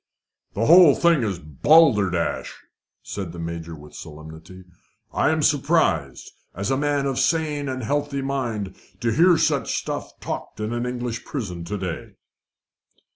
"The whole thing is balderdash," said the Major with solemnity. "I am surprised, as a man of sane and healthy mind, to hear such stuff talked in an English prison of to day."